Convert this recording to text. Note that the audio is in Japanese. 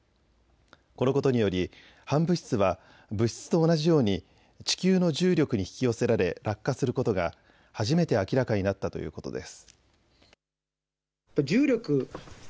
このことにより反物質は物質と同じように地球の重力に引き寄せられ落下することが初めて明らかになったということです。